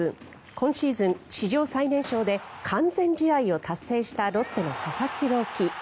今シーズン史上最年少で完全試合を達成したロッテの佐々木朗希投手。